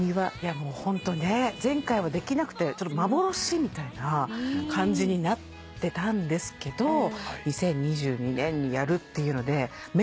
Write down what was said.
もうホントね前回はできなくて幻みたいな感じになってたんですけど２０２２年にやるっていうのでメンバーもね